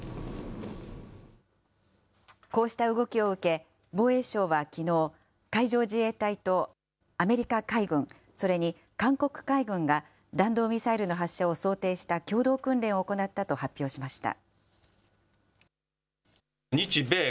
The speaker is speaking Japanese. こうした動きを受け、防衛省はきのう、海上自衛隊とアメリカ海軍、それに韓国海軍が弾道ミサイルの発射を想定した共同訓練を行ったと発表しました。